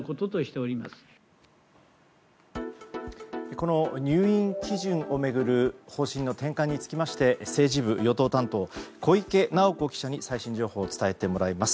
この入院基準を巡る方針の転換につきまして政治部与党担当小池直子記者に最新情報を伝えてもらいます。